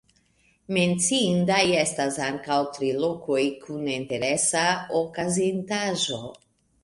Menciindaj estas ankaŭ tri lokoj kun interesa okazintaĵo.